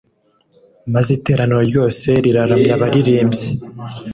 maze iteraniro ryose riraramya abaririmbyi